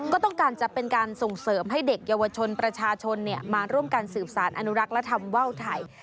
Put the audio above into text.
ก็ต้องการจะเป็นการส่งเสริมให้เด็กเยาวชนประชาชนมาร่วมกันสืบสารอนุรักษ์และทำว่าวไทย